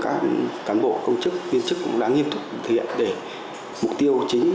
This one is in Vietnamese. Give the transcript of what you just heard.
các cán bộ công chức viên chức cũng đã nghiêm túc thực hiện để mục tiêu chính